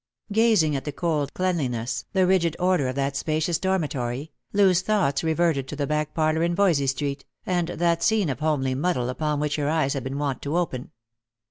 Gazing at the cold cleanliness, the rigid order of that spacious dormitory, Loo's thoughts reverted to the back parlour in Voysey street, and that scene of homely muddle upon which her eyes had been wont to open.